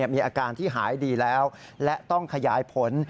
มีอาการที่หายดีแล้วและต้องขยายผล